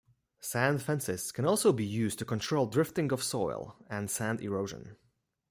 Sand fences can also be used to control drifting of soil and sand erosion.